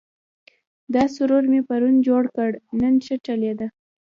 دا سرور مې پرون جوړ کړ، نن ښه چلېده.